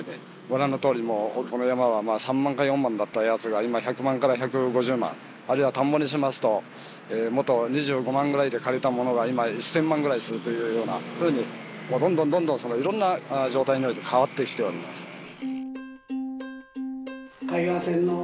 ご覧のとおりもうこの山は３万か４万だったやつが今１００万１５０万あるいは田んぼにしますと元２５万ぐらいで借りたものが今１０００万ぐらいするというようなふうにもうどんどんどんどん色んな状態において変わってきておりますね